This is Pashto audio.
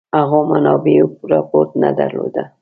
هغو منابعو رپوټ نه درلوده.